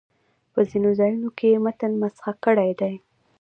په ځینو ځایونو کې یې متن مسخ کړی دی.